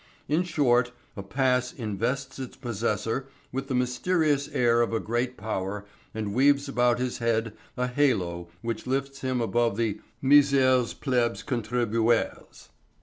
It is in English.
In short, a pass invests its possessor with the mysterious air of a great power and weaves about his head a halo which lifts him above the misers plebs contribuens.